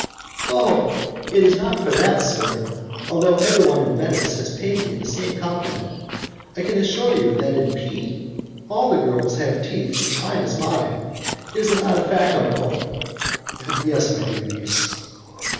"Oh! it is not for that, sir, although everyone in Venice has paid me the same compliment. I can assure you that in P all the girls have teeth as fine as mine. Is it not a fact, uncle?" "Yes, my dear niece."